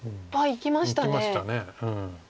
いきました。